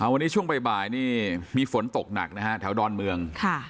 วันนี้ช่วงบ่ายนี่มีฝนตกหนักนะฮะแถวดอนเมือง